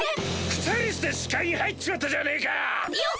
二人して視界に入っちまったじゃねぇか！